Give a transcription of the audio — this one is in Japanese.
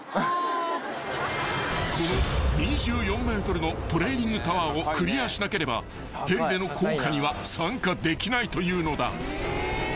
［この２４ｍのトレーニングタワーをクリアしなければヘリでの降下には参加できないというのだ］